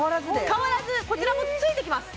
変わらずこちらもついてきます